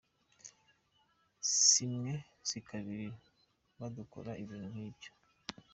Si rimwe si kabiri badukora ibintu nk’ibyo.